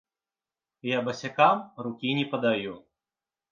Я басякам рукі не падаю.